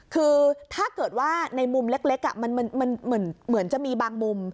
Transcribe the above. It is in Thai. คือถ้าเกิดว่าในมุมเล็กมันเหมือนจะมีบางมุม